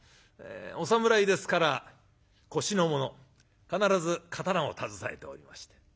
お侍ですから腰のもの必ず刀を携えておりまして。